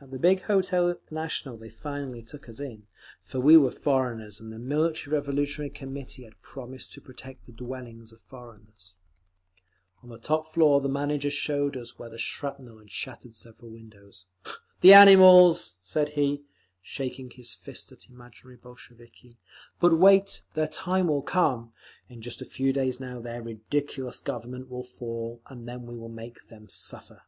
At the big Hotel National they finally took us in; for we were foreigners, and the Military Revolutionary Committee had promised to protect the dwellings of foreigners…. On the top floor the manager showed us where shrapnel had shattered several windows. "The animals!" said he, shaking his first at imaginary Bolsheviki. "But wait! Their time will come; in just a few days now their ridiculous Government will fall, and then we shall make them suffer!"